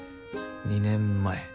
２年前。